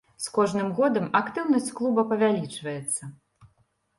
З кожным годам актыўнасць клуба павялічваецца.